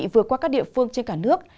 vừa qua các địa phương trên cả nước